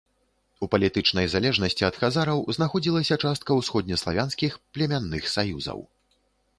У палітычнай залежнасці ад хазараў знаходзілася частка ўсходнеславянскіх племянных саюзаў.